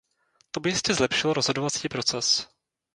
To by jistě zlepšilo rozhodovací proces.